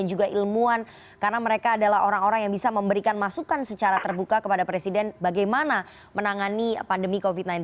untuk menangani pandemi covid sembilan belas